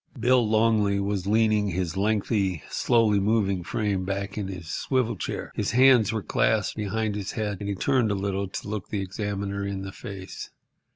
Bill Longley was leaning his lengthy, slowly moving frame back in his swivel chair. His hands were clasped behind his head, and he turned a little to look the examiner in the face.